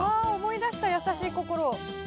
うわ思い出した優しい心を。